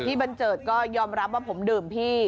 อ่าพี่บัญเจิดก็ยอมรับว่าผมดื่มพี่